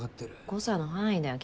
誤差の範囲だよ。